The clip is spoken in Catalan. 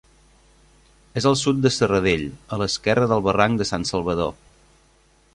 És al sud de Serradell, a l'esquerra del barranc de Sant Salvador.